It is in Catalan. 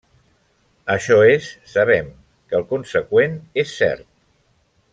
Això és, sabem que el conseqüent és cert.